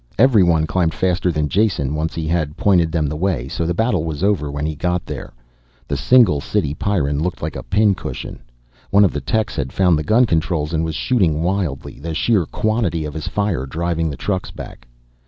Everyone climbed faster than Jason, once he had pointed them the way, so the battle was over when he got there. The single city Pyrran looked like a pin cushion. One of the techs had found the gun controls and was shooting wildly, the sheer quantity of his fire driving the trucks back.